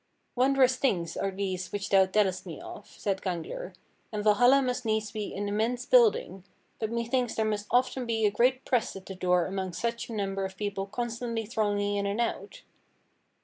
41. "Wondrous things are these which thou tellest me of," said Gangler, "and Valhalla must needs be an immense building, but methinks there must often be a great press at the door among such a number of people constantly thronging in and out?"